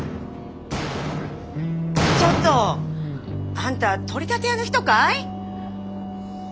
ちょっとあんた取り立て屋の人かい？